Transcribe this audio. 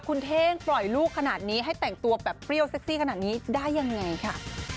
คุณเท่งปล่อยลูกขนาดนี้ให้แต่งตัวแบบเปรี้ยวเซ็กซี่ขนาดนี้ได้ยังไงค่ะ